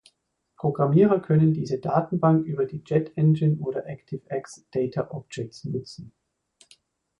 Programmierer können diese Datenbank über die Jet Engine oder ActiveX Data Objects nutzen.